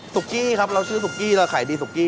กี้ครับเราชื่อสุกี้เราขายดีสุกี้